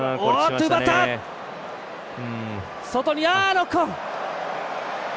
ノックオン。